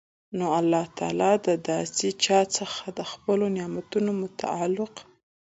نو الله تعالی د داسي چا څخه د خپلو نعمتونو متعلق